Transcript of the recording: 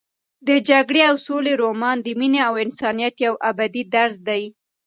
د جګړې او سولې رومان د مینې او انسانیت یو ابدي درس دی.